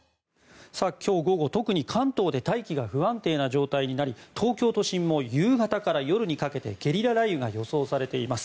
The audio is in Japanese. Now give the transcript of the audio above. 今日午後、特に関東で大気が不安定な状態になり東京都心も夕方から夜にかけてゲリラ雷雨が予想されています。